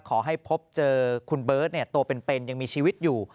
พบเจอคุณเบิร์ตตัวเป็นยังมีชีวิตอยู่